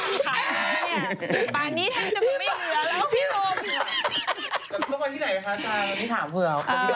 ต้องไปที่ไหนคะจะคุณฮ่าเผื่อ